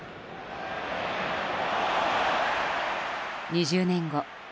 ２０年後。